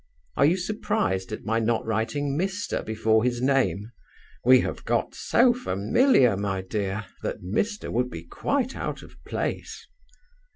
(Are you surprised at my not writing 'Mr.' before his name? We have got so familiar, my dear, that 'Mr.' would be quite out of place.)